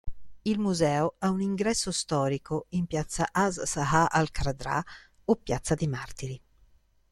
Il museo ha un ingresso storico in piazza As-Saha al-Kradrah, o Piazza dei Martiri.